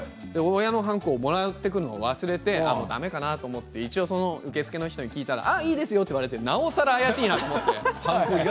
親のはんこをもらってくるのを忘れて、だめかなっていうのを受付の人に聞いたらあ、いいですよーって言われてなおさら怪しいなって。